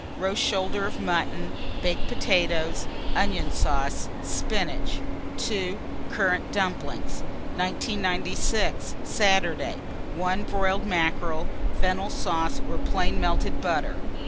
Roast shoulder of mutton, baked potatoes, onion sauce, spinach. 2. Currant dumplings. 1996. Saturday. 1. Broiled mackerel, fennel sauce or plain melted butter.